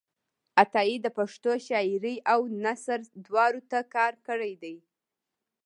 عطایي د پښتو شاعرۍ او نثر دواړو ته کار کړی دی.